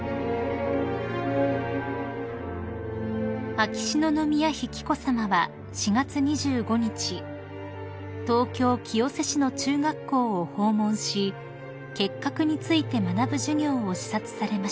［秋篠宮妃紀子さまは４月２５日東京清瀬市の中学校を訪問し結核について学ぶ授業を視察されました］